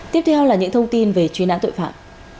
tiếp theo là những thông tin về truy nã tội phạm